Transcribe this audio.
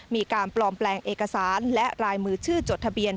มีการปลอมแปลงเอกสารและรายมือชื่อจดทะเบียน